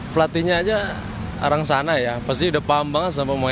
pelatihnya aja orang sana ya pasti udah paham banget sama pemain